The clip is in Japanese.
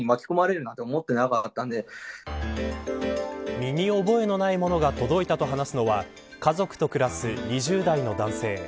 見に覚えのないものが届いたと話すのは家族と暮らす２０代の男性。